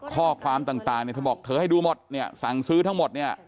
ข้อความต่างเนี่ยเธอบอกเธอให้ดูหมดเนี่ยสั่งซื้อทั้งหมดเนี่ย